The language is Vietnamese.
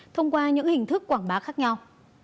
thông qua những hình thức quảng bá khác nhau